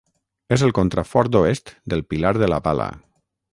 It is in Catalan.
És el contrafort oest del Pilar de la Pala.